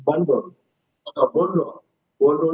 bondong itu keluar dari sabtu jam delapan malam